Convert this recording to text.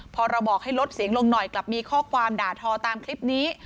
พอเราบอกให้ลดเสียงลงหน่อยกลับมีข้อความด่าทอตามคลิปนี้